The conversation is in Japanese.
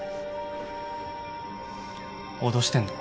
脅してるの？